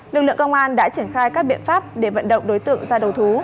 lực lượng công an đã triển khai các biện pháp để vận động đối tượng ra đầu thú